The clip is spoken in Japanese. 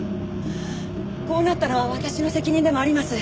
こうなったのは私の責任でもあります。